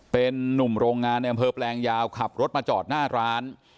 เป็นนุ่มโรงงานในอำเภอแปลงยาวขับรถมาจอดหน้าร้าน